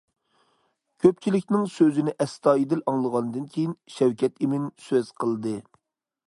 كۆپچىلىكنىڭ سۆزىنى ئەستايىدىل ئاڭلىغاندىن كېيىن، شەۋكەت ئىمىن سۆز قىلدى.